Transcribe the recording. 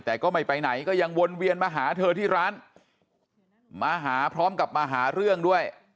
แต่ก็ไม่ไปไหนก็ยังวนเวียนมาหาเธอที่ร้านมาหาพร้อมกับมาหาเรื่องด้วย